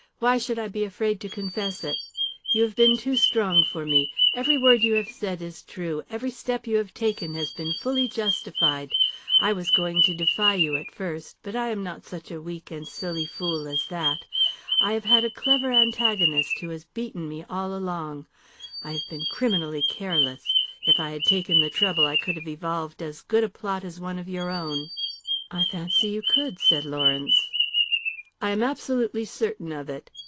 "Why should I be afraid to confess it? You have been too strong for me. Every word you have said is true, every step you have taken has been fully justified. I was going to defy you at first, but I am not such a weak and silly fool as that. I have had a clever antagonist who has beaten me all along. I have been criminally careless. If I had taken the trouble I could have evolved as good a plot as one of your own." "I fancy you could," said Lawrence. "I am absolutely certain of it.